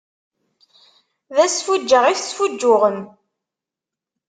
D asfuǧǧeɣ i tesfuǧǧuɣem.